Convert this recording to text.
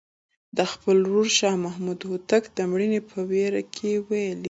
د خپل ورور شاه محمود هوتک د مړینې په ویر کې یې ویلي.